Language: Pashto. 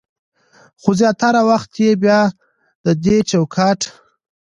خو زياتره وخت يې بيا د دې چوکاټ